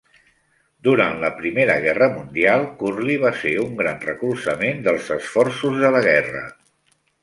Durant la Primera Guerra Mundial, Curley va ser un gran recolzament dels esforços de la guerra.